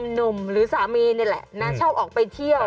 หนุ่มหรือสามีนี่แหละนะชอบออกไปเที่ยว